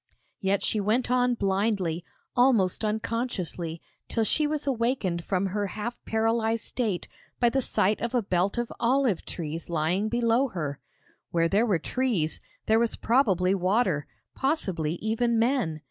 Yet she went on blindly, almost unconsciously, till she was awakened from her half paralysed state by the sight of a belt of olive trees lying below her. Where there were trees, there was probably water; possibly, even men!